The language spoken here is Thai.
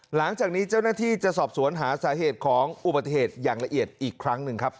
หลังจากนี้เจ้าหน้าที่จะสอบสวนหาสาเหตุของอุบัติเหตุอย่างละเอียดอีกครั้งหนึ่งครับ